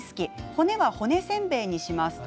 骨は骨せんべいにします。